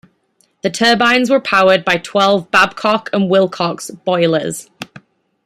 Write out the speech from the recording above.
The turbines were powered by twelve Babcock and Wilcox boilers.